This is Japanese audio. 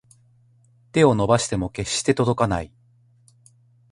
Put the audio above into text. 手を伸ばしても決して届かない